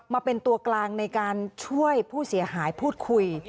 มาเป็นตัวกลางในการช่วยผู้เสียหายพูดคุย